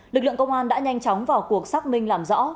lực lượng công an đã nhanh chóng vào cuộc xác minh làm rõ